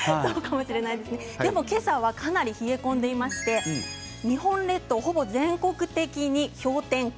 でも、けさはかなり冷え込んでいまして日本列島ほぼ全国的に氷点下。